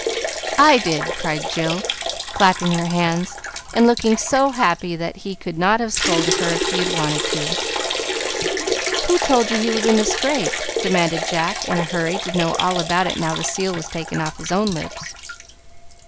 "I did!" cried Jill, clapping her hands, and looking so happy that he could not have scolded her if he had wanted to. "Who told you he was in the scrape?" demanded Jack, in a hurry to know all about it now the seal was taken off his own lips.